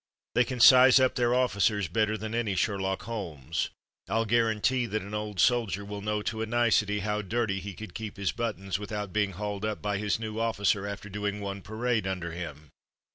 They can size up their officers better than any Sherlock Holmes. Fll guarantee that an "old soldier'" will know to a nicety how dirty he can keep his buttons without being hauled up by his new officer after doing one parade under him.